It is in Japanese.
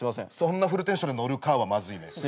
そんなフルテンションで「乗るか」はまずいね。